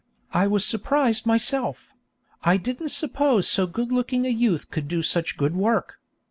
I was surprised myself; I didn't suppose so good looking a youth could do such good work.